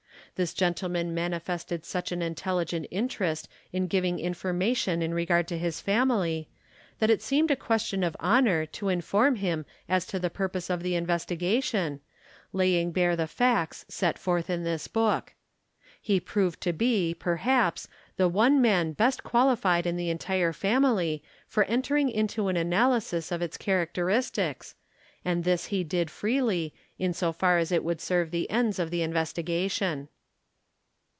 This gentleman manifested such an intelligent interest in giving infor mation in regard to his family that it seemed a question of honor to inform him as to the purpose of the investi gation, laying bare the facts set forth in this book. He proved to be, perhaps, the one man best qualified in the entire family for entering into an analysis of its characteristics, and this he did freely, in so far as it would serve the ends of the investigation.